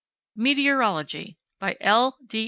METEOROLOGY By L. D.